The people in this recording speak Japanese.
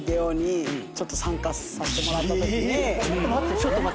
ちょっと待って。